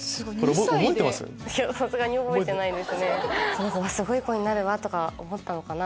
「この子はすごい子になるわ」とか思ったのかな